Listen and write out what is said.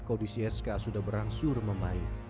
kondisi sk sudah berangsur membaik